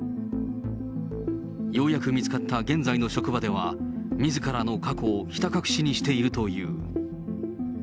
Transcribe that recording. ようやく見つかった現在の職場では、みずからの過去をひた隠しにしているという。